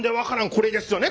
これですよね